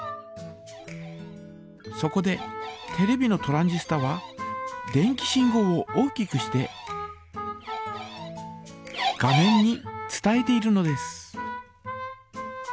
そこでテレビのトランジスタは電気信号を大きくして画面に伝えているのです。